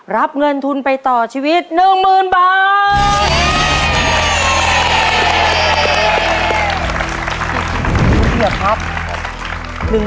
รับเงินทุนไปต่อชีวิต๑๐๐๐บาท